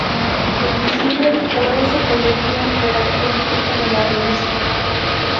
En diciembre, Poe se convirtió en redactor fijo de la revista.